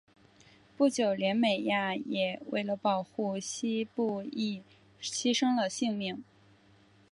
不久连美雅也为了保护希布亦牺牲了性命。